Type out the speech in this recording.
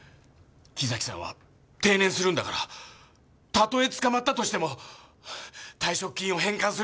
木崎さんは定年するんだからたとえ捕まったとしても退職金を返還する必要はない。